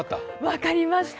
分かりました。